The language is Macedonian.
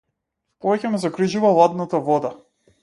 Повеќе ме загрижува ладната вода.